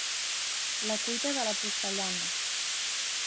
La cuita de la porcellana.